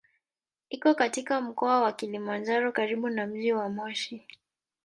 Iko katika Mkoa wa Kilimanjaro karibu na mji wa Moshi.